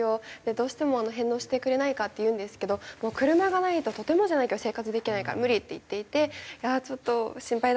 どうしても「返納してくれないか」って言うんですけど「車がないととてもじゃないけど生活できないから無理」って言っていていやあちょっと心配だなと思いつつ。